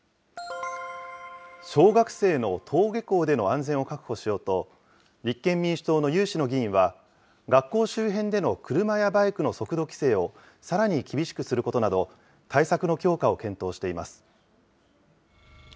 小学生の登下校での安全を確保しようと、立憲民主党の有志の議員は、学校周辺での車やバイクの速度規制をさらに厳しくすることなど、対策の強化を検討しています。